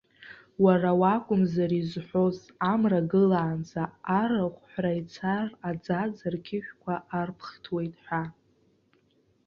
Уара уакәмыз изҳәоз, амра гылаанӡа арахә ҳәра ицар аӡаӡа рқьышәқәа арԥхҭуеит ҳәа.